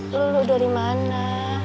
lu dulu dari mana